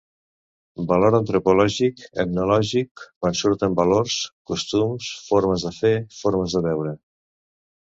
Valor antropològic, etnològic, quan surten valors, costums, formes de fer, formes de veure.